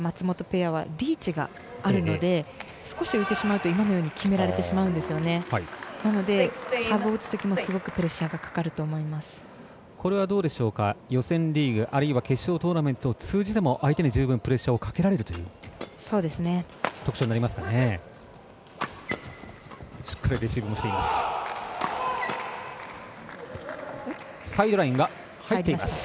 これは予選リーグあるいは決勝トーナメント通じても相手に十分プレッシャーをかけられるという特徴になりますかね。